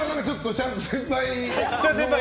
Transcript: ちゃんと先輩を。